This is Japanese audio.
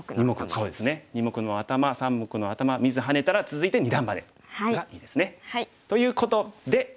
そうですね二目のアタマ三目のアタマ見ずハネたら続いて二段バネがいいですね。ということで。